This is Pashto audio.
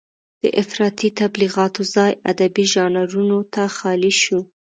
د افراطي تبليغاتو ځای ادبي ژانرونو ته خالي شو.